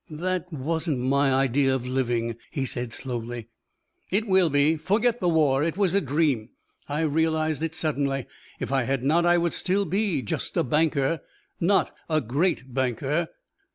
"That wasn't my idea of living " he said slowly. "It will be. Forget the war. It was a dream. I realized it suddenly. If I had not, I would still be just a banker. Not a great banker.